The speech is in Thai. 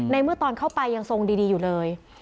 เมื่อตอนเข้าไปยังทรงดีอยู่เลย